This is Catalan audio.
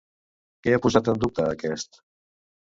Què ha posat en dubte aquest?